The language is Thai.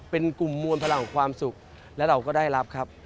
เป็นกลุ่มมวลพลังความสุขและเราก็ได้รับครับ